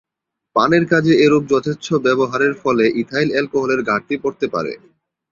পানের কাজে এরূপ যথেচ্ছ ব্যবহারের ফলে ইথাইল অ্যালকোহলের ঘাটতি পড়তে পারে।